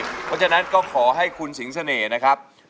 เพราะฉะนั้นก็ขอให้คุณสิงเสน่ห์นะครับ